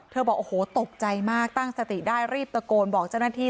บอกโอ้โหตกใจมากตั้งสติได้รีบตะโกนบอกเจ้าหน้าที่